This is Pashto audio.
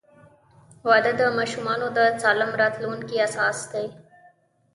• واده د ماشومانو د سالم راتلونکي اساس دی.